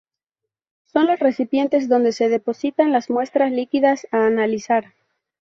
Son los recipientes donde se depositan las muestras líquidas a analizar.